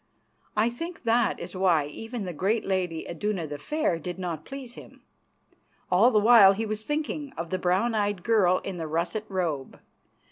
I think that is why even the great lady, Iduna the Fair, did not please him. All the while he was thinking of the brown eyed girl in the russet robe.